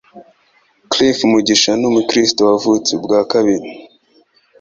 Cliff Mugisha ni umukristo wavutse ubwa kabiri